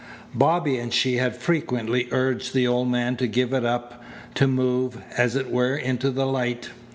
Bobby and she had frequently urged the old man to give it up, to move, as it were, into the light.